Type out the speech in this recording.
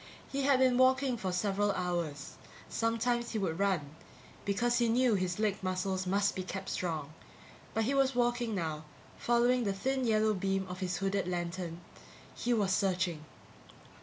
He had been walking for several hours; sometimes he would run, because he knew his leg muscles must be kept strong, but he was walking now, following the thin yellow beam of his hooded lantern. He was searching.